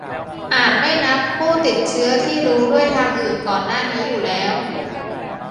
- อาจไม่นับผู้ติดเชื้อที่รู้ด้วยทางอื่นก่อนหน้านี้อยู่แล้ว